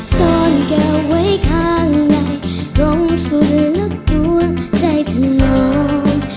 ซ่อนเก่าไว้ข้างในร่งสุดลึกตัวใจท่านน้อง